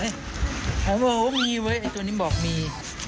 โอ้โฮมีเว้ยไอ้ตัวนี้บอกมี